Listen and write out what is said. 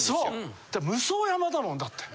武双山だもんだって。